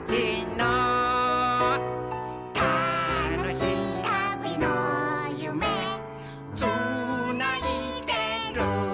「たのしいたびのゆめつないでる」